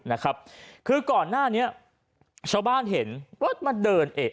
นะครับคือก่อนหน้านี้ชาวบ้านเห็นรถมาเดินเอ๊ะ